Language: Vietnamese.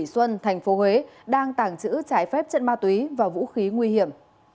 thủy xuân tp hcm đang tàng trữ trái phép trận ma túy và vũ khí nguy hiểm